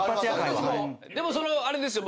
でもそのあれですよ。